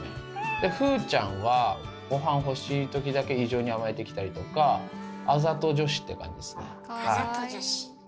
で風ちゃんは御飯欲しい時だけ異常に甘えてきたりとかあざと女子って感じですねはい。